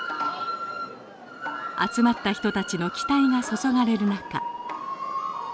集まった人たちの期待が注がれる中。